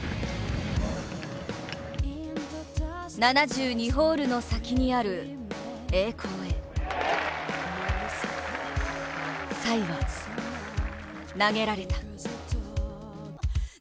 ７２ホールの先にある栄光へさいは、投げられた。